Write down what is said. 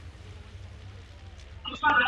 雷诺因此守住车队排名第四的位子。